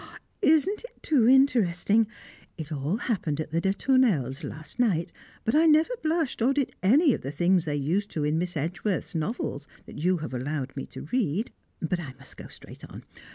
Isn't it too interesting? It all happened at the de Tournelles' last night, but I never blushed or did any of the things they used to in Miss Edgeworth's novels that you have allowed me to read; but I must go straight on.